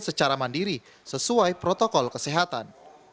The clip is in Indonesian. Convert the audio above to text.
secara mandiri sesuai protokol kesehatan